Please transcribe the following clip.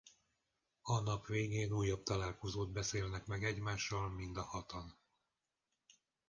A nap végén újabb találkozót beszélnek meg egymással mind a hatan.